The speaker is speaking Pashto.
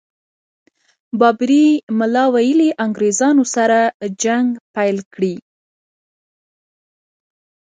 بابړي ملا ویلي انګرېزانو سره جنګ پيل کړي.